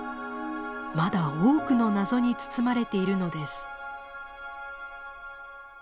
まだ多くの謎に包まれているのです。